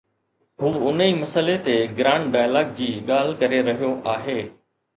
هو ان ئي مسئلي تي گرانڊ ڊائلاگ جي ڳالهه ڪري رهيو آهي.